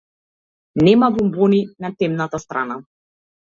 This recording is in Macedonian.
Нема бонбони на темната страна.